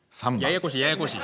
ややこしいややこしい。